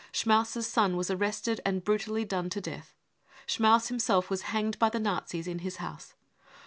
Schmaus's son was arrested and brutally done to death. Schmaus himself was hanged by the Nazis in his house.